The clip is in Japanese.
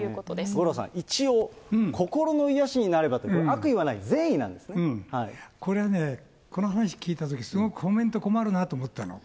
五郎さん、一応、心の癒やしになればと、悪意はない、善意なこれはね、この話聞いたとき、すごくコメント困るなと思ったの。